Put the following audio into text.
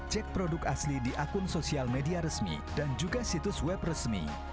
cek produk asli di akun sosial media resmi dan juga situs web resmi